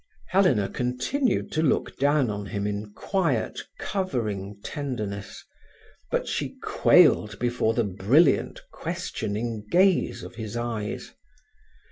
Helena continued to look down on him in quiet, covering tenderness. But she quailed before the brilliant, questioning gaze of his eyes.